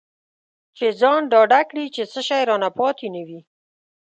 چې ځان ډاډه کړي چې څه شی رانه پاتې نه وي.